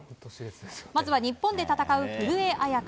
まずは日本で戦う古江彩佳。